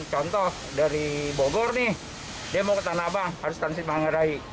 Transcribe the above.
contoh dari bogor nih dia mau ke tanah abang harus transit manggarai